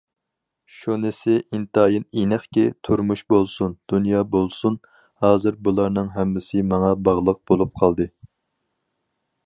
شۇنىسى ئىنتايىن ئېنىقكى، تۇرمۇش بولسۇن، دۇنيا بولسۇن، ھازىر بۇلارنىڭ ھەممىسى ماڭا باغلىق بولۇپ قالدى.